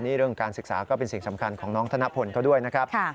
นี่เรื่องการศึกษาก็เป็นสิ่งสำคัญของน้องธนพลเขาด้วยนะครับ